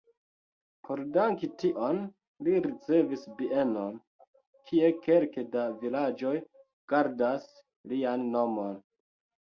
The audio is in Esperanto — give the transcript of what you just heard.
Por danki tion li ricevis bienon, kie kelke da vilaĝoj gardas lian nomon.